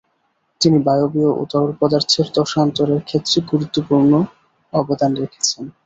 তিনি বায়বীয় ও তরল পদার্থের দশান্তরের ক্ষেত্রে গুরুত্বপূর্ণ অবদান রেখেছেন।